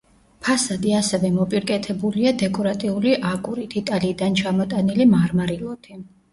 ფასადი ასევე მოპირკეთებულია დეკორატიული აგურით, იტალიიდან ჩამოტანილი მარმარილოთი.